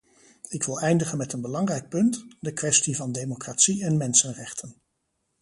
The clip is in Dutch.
Ik wil eindigen met een belangrijk punt: de kwestie van democratie en mensenrechten.